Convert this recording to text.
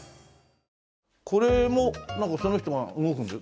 これもなんかその人が動くんですか？